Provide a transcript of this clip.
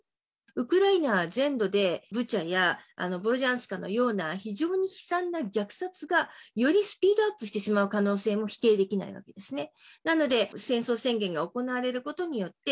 ウクライナ全土で、ブチャやボロジャンスカのような非常に悲惨な虐殺が、よりスピードアップしてしまう可能性も否定できないですね。